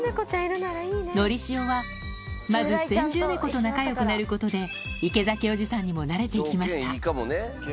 のりしおは、まず先住猫と仲よくなることで、池崎おじさんにもなれていきまし